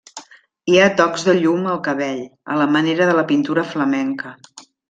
Hi ha tocs de llum al cabell, a la manera de la pintura flamenca.